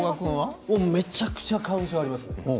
めちゃくちゃ花粉症あります。